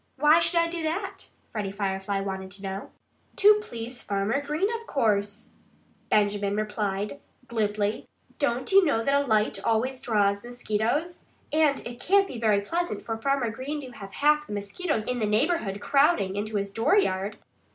"Why should I do that?" Freddie Firefly wanted to know. "To please Farmer Green, of course," Benjamin replied glibly. "Don't you know that a light always draws mosquitoes? And it can't be very pleasant for Farmer Green to have half the mosquitoes in the neighborhood crowding into his dooryard."